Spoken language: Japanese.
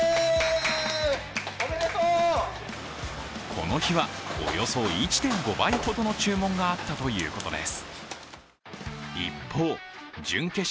この日はおよそ１．５倍ほどの注文があったということです。